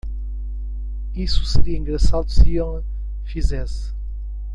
Isso seria engraçado se ele fizesse.